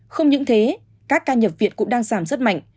không những thế các ca nhập viện cũng đang giảm rất mạnh